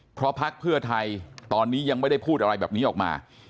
เพราะพักเพื่อไทยตอนนี้ยังไม่ได้พูดอะไรแบบนี้ออกมา